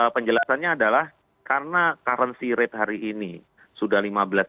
penjelasannya adalah karena currency rate hari ini sudah lima belas enam ratus lima belas lima ratus